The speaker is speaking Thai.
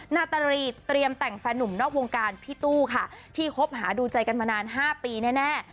นาตารีเตรียมแต่งแฟนหนุ่มนอกวงการพี่ตู้ค่ะที่คบหาดูใจกันมานาน๕ปีแน่